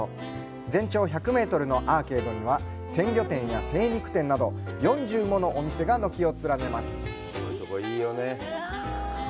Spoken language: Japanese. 全長１００メートルのアーケードには鮮魚店や精肉店など４０ものお店が軒を連ねます。